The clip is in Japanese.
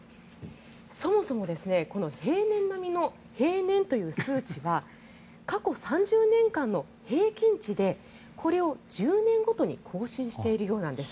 そもそも平年並みの平年という数値は過去３０年間の平均値でこれを１０年ごとに更新しているようなんです。